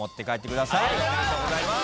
おめでとうございます！